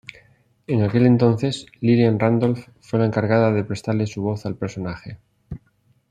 En aquel entonces, Lillian Randolph fue la encargada de prestarle su voz al personaje.